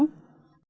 còn khu vực trung bộ